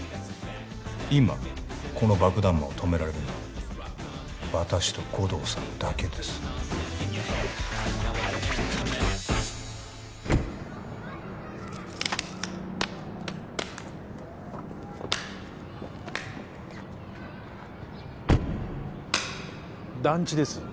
今この爆弾魔を止められるのは私と護道さんだけです団地です